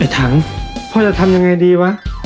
ถังพ่อจะทำยังไงดีวะ